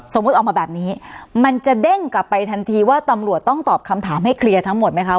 ออกมาแบบนี้มันจะเด้งกลับไปทันทีว่าตำรวจต้องตอบคำถามให้เคลียร์ทั้งหมดไหมคะ